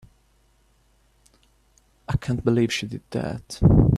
I can't believe she did that!